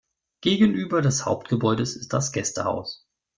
Gegenüber des Hauptgebäudes ist das Gästehaus.